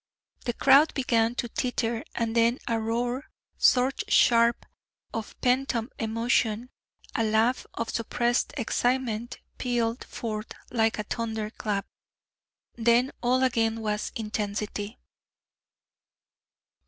The crowd began to titter, and then a roar, short, sharp, of pent up emotion a laugh of suppressed excitement pealed forth like a thunder clap; then all again was intensity.